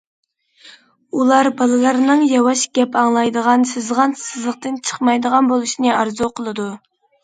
ئۇلار بالىلارنىڭ ياۋاش، گەپ ئاڭلايدىغان، سىزغان سىزىقتىن چىقمايدىغان بولۇشىنى ئارزۇ قىلىدۇ.